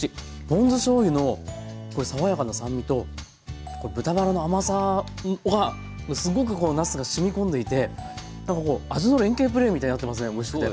ポン酢しょうゆの爽やかな酸味と豚バラの甘さはすごくこうなすがしみ込んでいてなんかこう味の連係プレーみたいになってますねおいしくて。